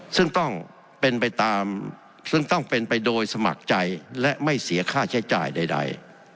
ซึ่งต้องเป็นไปโดยสมัครใจและไม่เสียค่าใช้จ่ายใด